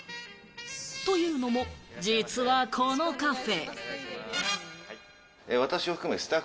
というのも、実はこのカフェ。